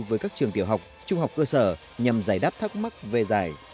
với các trường tiểu học trung học cơ sở nhằm giải đáp thắc mắc về giải